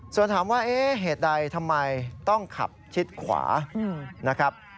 ส่วนถามว่าเหตุใดทำไมต้องขับชิดขวานะครับ